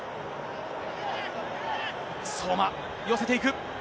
相馬、寄せていく。